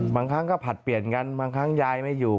บางครั้งก็ผลัดเปลี่ยนกันบางครั้งยายไม่อยู่